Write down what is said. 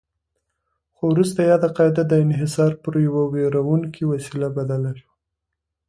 خو وروسته یاده قاعده د انحصار پر یوه ویروونکې وسیله بدله شوه.